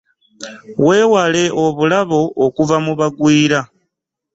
Wewale obulabo okuva mu bagwiira.